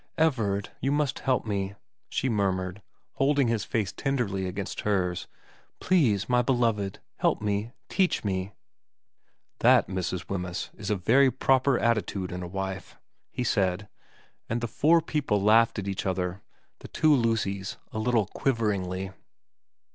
' Everard, you must help me,' she murmured, holding his face tenderly against hers. ' Please, my beloved, help me, teach me ' XVIII VERA 207 ' That, Mrs. Wemyss, is a very proper attitude in a wife/ he said. And the four people laughed at each other, the two Lucys a little quiveringly.